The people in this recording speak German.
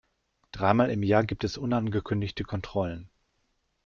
Dreimal im Jahr gibt es unangekündigte Kontrollen.